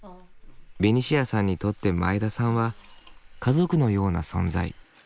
ベニシアさんにとって前田さんは家族のような存在。